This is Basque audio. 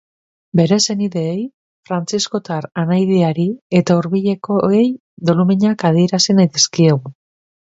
Bere senideei, frantziskotar anaidiari eta hurbilekoei doluminak adierazi nahi dizkiegu.